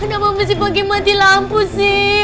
kenapa mesti bagi mati lampu sih